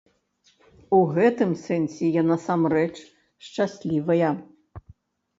У гэтым сэнсе я насамрэч шчаслівая.